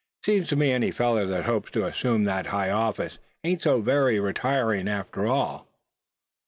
Seems to me any feller that hopes to assume that high office ain't so very retiring after all."